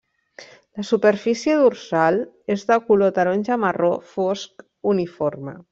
La superfície dorsal és de color taronja-marró fosc uniforme.